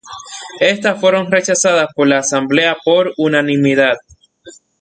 Estas fueron rechazadas por la Asamblea por unanimidad.